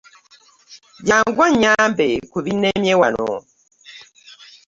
Jangu onnyambe ku binnemye wano.